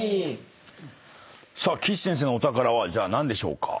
さあ岸先生のお宝は何でしょうか？